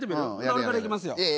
俺からいきますよ。